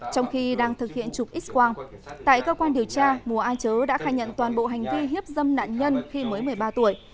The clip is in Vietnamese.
trong khi đang thực hiện trục x quang tại cơ quan điều tra mùa a chớ đã khai nhận toàn bộ hành vi hiếp dâm nạn nhân khi mới một mươi ba tuổi